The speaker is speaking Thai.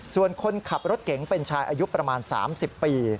ส่วนคนขับรถเก๋งเป็นชายอายุประมาณ๓๐ปี